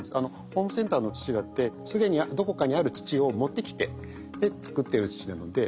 ホームセンターの土だって既にどこかにある土を持ってきてで作ってる土なので。